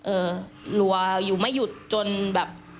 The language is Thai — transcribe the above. รัวอยู่ไม่หยุดจนแบบ